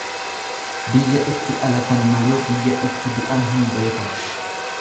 Biyya itti dhalatan malee biyya itti du'an hin beekan.